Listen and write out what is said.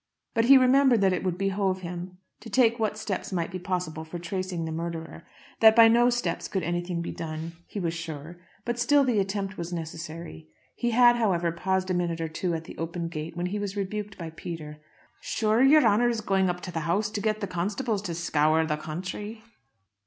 But he remembered that it would behove him to take what steps might be possible for tracing the murderer. That by no steps could anything be done, he was sure; but still the attempt was necessary. He had, however, paused a minute or two at the open gate when he was rebuked by Peter. "Shure yer honour is going up to the house to get the constables to scour the counthry."